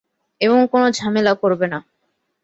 এবং কোনো ঝমেলা করবে না।